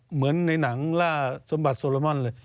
เหมือนในหนังล่าสมบัติโซโลมอนเลย